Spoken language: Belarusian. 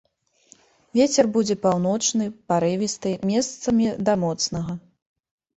Вецер будзе паўночны, парывісты, месцамі да моцнага.